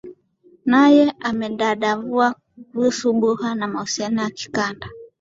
naye amedadavua kuhusu buha na mahusiano ya kikanda